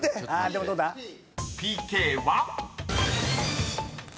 ［ＰＫは］